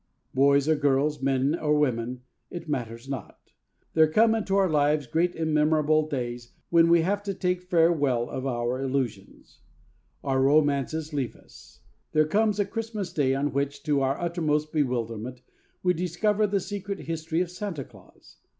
Boys or girls, men or women, it matters not; there come into our lives great and memorable days when we have to take farewell of our illusions. Our romances leave us. There comes a Christmas Day on which, to our uttermost bewilderment, we discover the secret history of Santa Claus.